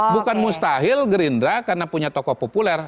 bukan mustahil gerindra karena punya tokoh populer